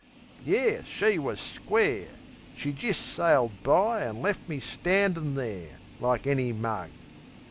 Yes, she was square. She jist sailed by an' lef' me standin' there Like any mug.